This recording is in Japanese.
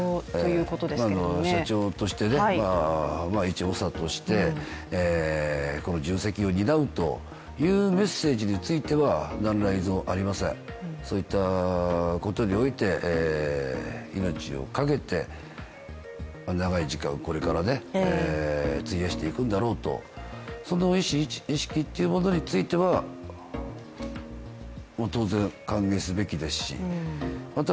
社長として、一応、おさとして重責を担うというメッセージについて何ら異論ありません、そういったことにおいて命をかけて、長い時間、これから費やしていくんだろうとその意識というものについては当然、歓迎すべきですしまた